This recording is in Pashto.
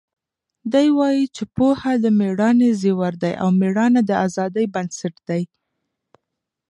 دی وایي چې پوهه د مېړانې زیور دی او مېړانه د ازادۍ بنسټ دی.